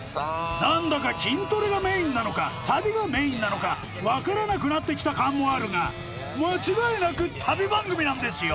何だか筋トレがメインなのか旅がメインなのか分からなくなって来た感もあるが間違いなく旅番組なんですよ